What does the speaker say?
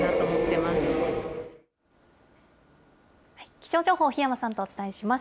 気象情報、檜山さんとお伝えします。